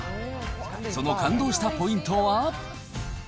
その感動したポイントは。